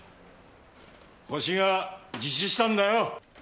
ホシが自首したんだよ。